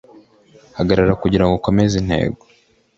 hagarara kugirango ukomeze intego.